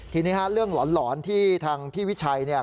ทีนี้เรื่องหลอนที่ทางพี่วิชัย